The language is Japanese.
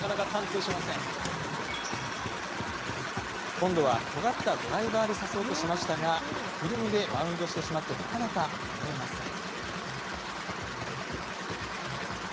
今度は、とがったドライバーで刺そうとしましたがフィルムでバウンドしてしまいなかなか破れません。